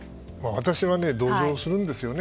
私は同情するんですよね。